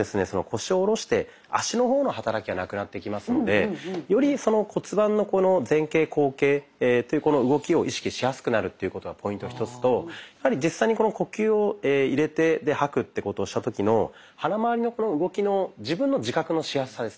腰を下ろして足の方の働きがなくなってきますのでより骨盤の前傾・後傾この動きを意識しやすくなるということがポイント１つと実際に呼吸を入れて吐くってことをした時の腹まわりのこの動きの自分の自覚のしやすさですね。